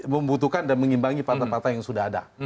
membutuhkan dan mengimbangi partai partai yang sudah ada